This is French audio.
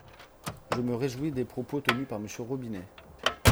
Je me réjouis des propos tenus par Monsieur Robinet.